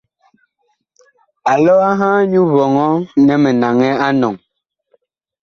Alɔ a ŋhaa nyu vɔŋɔ nɛ mi naŋɛ a enɔŋ.